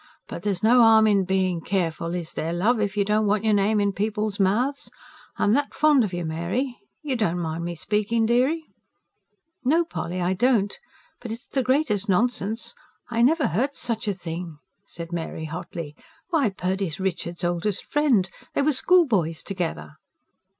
But there's no harm in being careful, is there, love, if you don't want your name in people's mouths? I'm that fond of you, Mary you don't mind me speaking, dearie?" "No, Polly, I don't. But it's the greatest nonsense I never heard such a thing!" said Mary hotly. "Why, Purdy is Richard's oldest friend. They were schoolboys together."